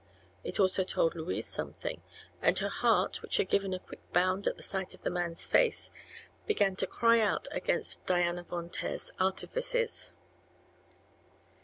It also told Louise something, and her heart, which had given a quick bound at sight of the man's face, began to cry out against Diana Von Taer's artifices.